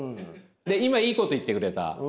今いいこと言ってくれた。